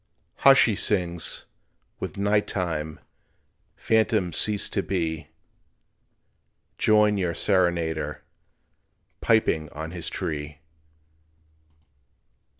"Hush!" he sings, "with night time Phantoms cease to be, Join your serenader Piping on his tree."